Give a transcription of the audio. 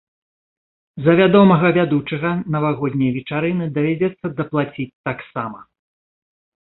За вядомага вядучага навагодняй вечарыны давядзецца даплаціць таксама.